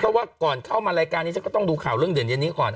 เพราะว่าก่อนเข้ามารายการนี้ฉันก็ต้องดูข่าวเรื่องเด่นเย็นนี้ก่อน